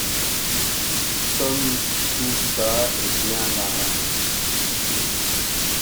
Comme tout ça est bien arrangé!